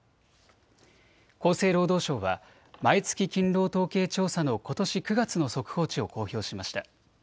厚生労働省は毎月勤労統計調査のことし９月の速報値を公表しました。